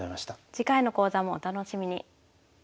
次回の講座もお楽しみに。